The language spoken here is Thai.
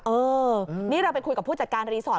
เออนี่เราไปคุยกับผู้จัดการรีสอร์ท